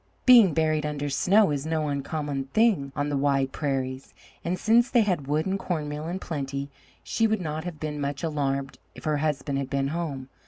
Being buried under snow is no uncommon thing on the wide prairies, and since they had wood and cornmeal in plenty, she would not have been much alarmed if her husband had been home.